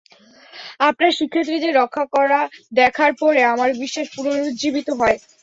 আপনার শিক্ষার্থীদের রক্ষা করা দেখার পরে আমার বিশ্বাস পুনরুজ্জীবিত হয়।